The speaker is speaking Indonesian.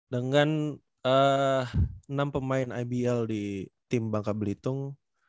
dengan enam pemain ibl di tim bangka belitung